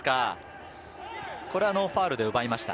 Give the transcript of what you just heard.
これはノーファウルで奪いました。